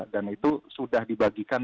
dan itu sudah dibagikan